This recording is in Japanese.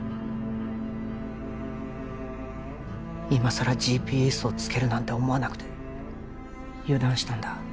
今さらＧＰＳをつけるなんて思わなくて油断したんだ